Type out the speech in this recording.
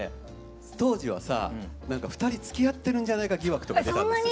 当時はさ２人つきあってるんじゃないか疑惑とか出たんです。